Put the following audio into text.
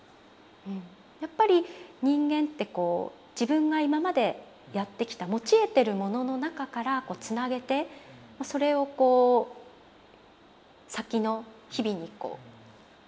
やっぱり人間ってこう自分が今までやってきた持ち得てるものの中からつなげてそれをこう先の日々にこうつなげていきたいと思うんですかね。